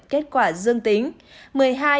kết quả dương tính